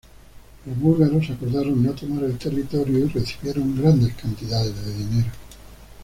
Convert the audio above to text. Los búlgaros acordaron no tomar el territorio y recibieron grandes cantidades de dinero.